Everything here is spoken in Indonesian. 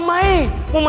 mau main main kak